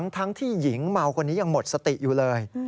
ทั้งที่หญิงเมาคนนี้ยังหมดสติอยู่เลย